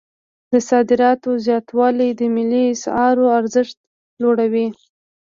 د صادراتو زیاتوالی د ملي اسعارو ارزښت لوړوي.